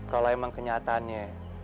kalau emang kenyataannya